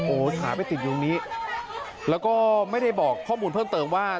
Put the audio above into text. โอ้โหขาไปติดอยู่ตรงนี้แล้วก็ไม่ได้บอกข้อมูลเพิ่มเติมว่า